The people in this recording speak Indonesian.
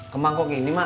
kemang kok gini mak